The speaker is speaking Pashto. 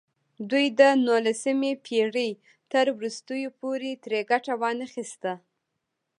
دوی د نولسمې پېړۍ تر وروستیو پورې ترې ګټه وانخیسته.